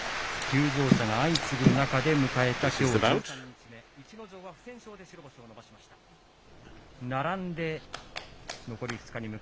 休場者が相次ぐ中で迎えたきょう１３日目。